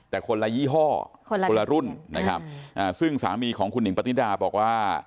แต่คนละยี่ห้อคนละคนละรุ่นนะครับซึ่งสามีของคุณหิงปฏิดาบอกว่า